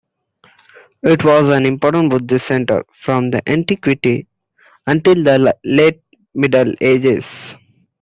It was an important Buddhist center from Antiquity until the late Middle Ages.